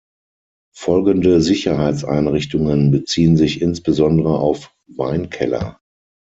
Folgende Sicherheitseinrichtungen beziehen sich insbesondere auf Weinkeller.